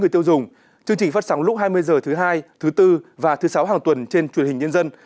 chương trình phát sóng lúc hai mươi h thứ hai thứ bốn và thứ sáu hàng tuần trên truyền hình nhân dân